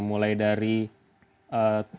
mulai dari dakwaan surat dakwaan yang begitu